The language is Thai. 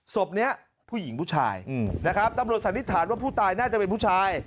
ศพนี้ผู้หญิงผู้ชายนะครับตำรวจสันนิษฐานว่าผู้ตายน่าจะเป็นผู้ชาย